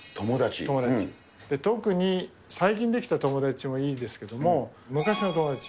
特に最近出来た友達もいいですけれども、昔の友達。